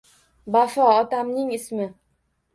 Bafo otamning ismi.